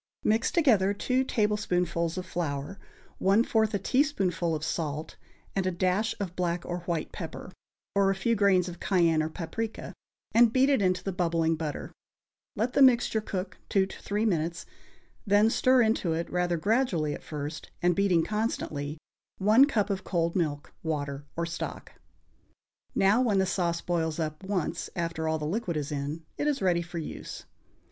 Mix together two tablespoonfuls of flour, one fourth a teaspoonful of salt and a dash of black or white pepper, or a few grains of cayenne or paprica, and beat it into the bubbling butter; let the mixture cook two or three minutes, then stir into it, rather gradually at first, and beating constantly, one cup of cold milk, water or stock. Now, when the sauce boils up once after all the liquid is in, it is ready for use.